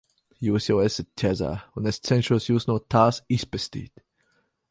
Jūs jau esat ķezā, un es cenšos Jūs no tās izpestīt.